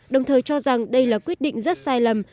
đồng thời cho rằng đây là quyết định rất sai lầm